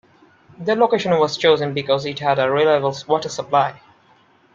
The location was chosen because it had a reliable water supply.